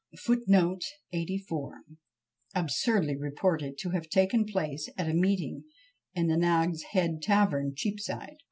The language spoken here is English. FOOTNOTES: Absurdly reported to have taken place at a meeting in the Nag's head Tavern, Cheapside.